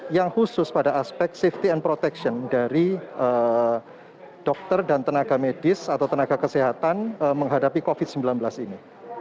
yang khusus pada aspek safety and protection dari dokter dan tenaga medis atau tenaga kesehatan menghadapi covid sembilan belas ini